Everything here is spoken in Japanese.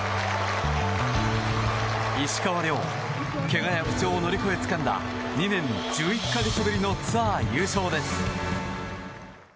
怪我や不調を乗り越えつかんだ２年１１か月ぶりのツアー優勝です。